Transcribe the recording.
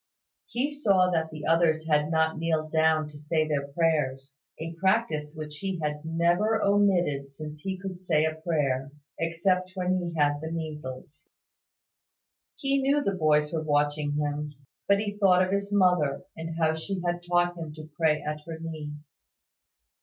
He saw that the others had not kneeled down to say their prayers, a practice which he had never omitted since he could say a prayer, except when he had the measles. He knew the boys were watching him; but he thought of his mother, and how she had taught him to pray at her knee.